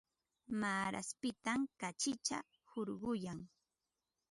Maaraspitam kachita hurquyan.